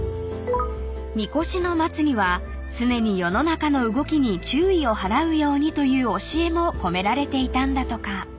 ［見越しの松には常に世の中の動きに注意を払うようにという教えも込められていたんだとか］